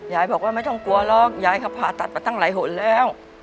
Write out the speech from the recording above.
ยายบอกว่าไม่ต้องกลัวหรอกยายเขาผ่าตัดมาตั้งหลายหนแล้ว